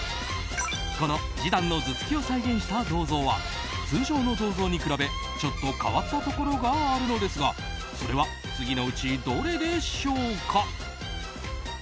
このジダンの頭突きを再現した銅像は通常の銅像に比べちょっと変わったところがあるのですがそれは次のうちどれでしょうか？